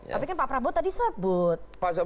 tapi kan pak prabowo tadi sebut